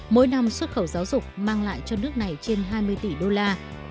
mỗi năm xuất khẩu giáo dục mang lại cho nước này trên hai mươi tỷ đô la